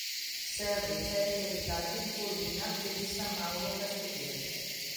Serve i centri abitati di Pollina e di San Mauro Castelverde.